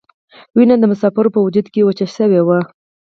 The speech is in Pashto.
وینه د مسافرو په وجود کې وچه شوې وه.